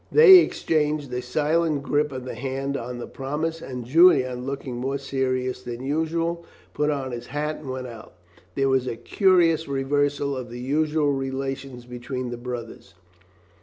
They exchanged a silent grip of the hand on the promise, and Julian, looking more serious than usual, put on his hat and went out. There was a curious reversal of the usual relations between the brothers.